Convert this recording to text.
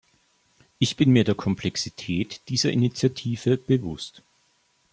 Ich bin mir der Komplexität dieser Initiative bewusst.